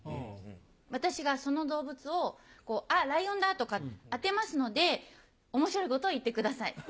私がその動物を「あっライオンだ」とか当てますので面白いことを言ってください。